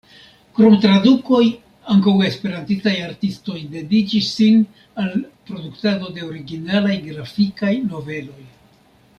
Krom tradukoj, ankaŭ esperantistaj artistoj dediĉis sin al produktado de originalaj grafikaj noveloj.